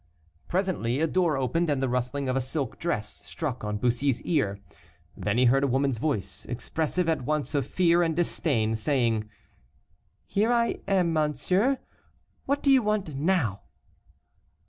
Presently a door opened, and the rustling of a silk dress struck on Bussy's ear. Then he heard a woman's voice, expressive at once of fear and disdain, saying: "Here I am, monsieur, what do you want now?"